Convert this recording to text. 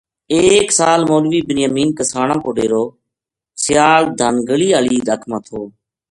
ایک سال مولوی بنیامین کسانہ کو ڈیرو سیال دھان گلی ہالی رَکھ ما تھو